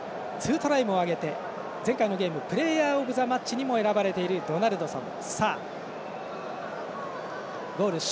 ２トライも挙げてプレーヤーオブザマッチにも選ばれているドナルドソン。